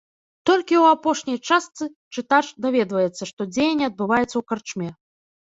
Толькі ў апошняй частцы чытач даведваецца, што дзеянне адбываецца ў карчме.